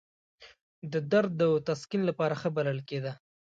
د درد او تسکین لپاره ښه بلل کېده.